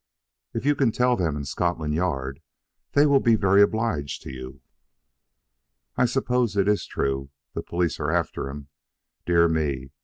"If you can tell them in Scotland Yard they will be obliged to you." "I suppose it is true the police are after him? Dear me!